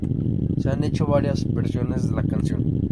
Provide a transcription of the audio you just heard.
Se han hecho varias versiones de la canción.